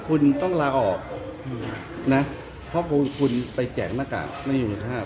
คุณต้องลากออกนะเพราะคุณไปแจกหน้ากากไม่อยู่ไปได้